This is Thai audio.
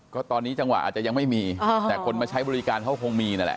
ก็ตอนนี้จังหวะอาจจะยังไม่มีแต่คนมาใช้บริการเขาคงมีนั่นแหละ